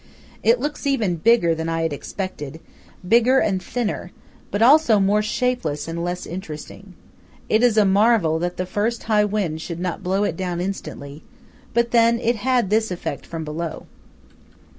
It looks even bigger than I had expected–bigger and thinner; but also more shapeless and less interesting. It is a marvel that the first high wind should not blow it down instantly; but then it had this effect from below.